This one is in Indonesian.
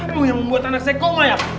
kamu yang membuat anak saya koma ya